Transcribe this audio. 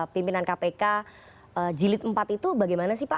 pimpinan kpk jilid empat itu bagaimana sih pak